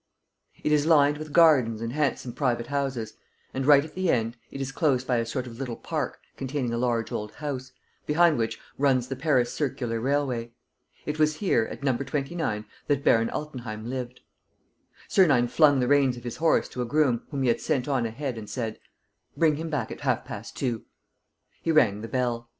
It is lined with gardens and handsome private houses; and, right at the end, it is closed by a sort of little park containing a large old house, behind which runs the Paris circular railway. It was here, at No. 29, that Baron Altenheim lived. Sernine flung the reins of his horse to a groom whom he had sent on ahead and said: "Bring him back at half past two." He rang the bell.